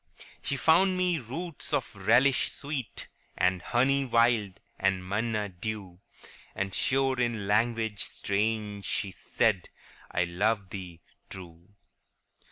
* She found me roots of relish sweet, And honey wild, and manna dew; And sure in language strange she said, " I love thee true."